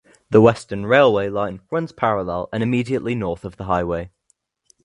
The Western railway line runs parallel and immediately north of the highway.